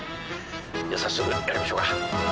じゃあ早速やりましょうか。